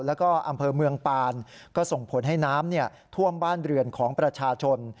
แล้วก็อำเภอเมืองปานก็ส่งผลให้น้ำท่วมบ้านเรือนของประชาชน